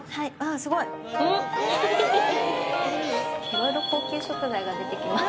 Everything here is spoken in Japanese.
スゴいいろいろ高級食材が出てきます